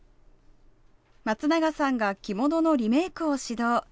まつながさんが着物のリメークを指導。